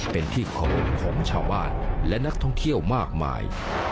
เป็นที่เคารพของชาวบ้านและนักท่องเที่ยวมากมาย